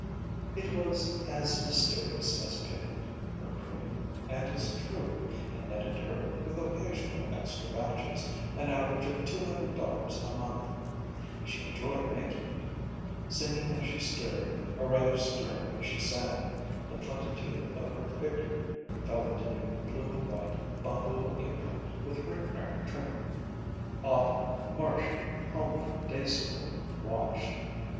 It was as mysterious as pigment, her cream, and as true, and netted her, with occasional extra batches, an average of two hundred dollars a month. She enjoyed making it. Singing as she stirred or rather stirring as she sang, the plenitude of her figure enveloped in a blue and white bungalow apron with rickrack trimming. Often Marcia, home from day school, watched.